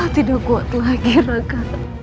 tidak kuat lagi raka